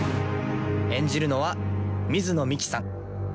演じるのは水野美紀さん。